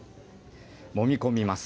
もみ込みます。